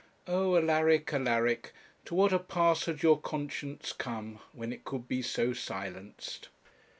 'Oh, Alaric, Alaric, to what a pass had your conscience come, when it could be so silenced!'